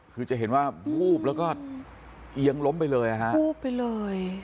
คือจะเห็นว่าวูบแล้วก็เอียงล้มไปเลยฮะวูบไปเลย